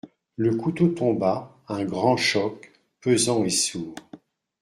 Le couteau tomba, un grand choc, pesant et sourd.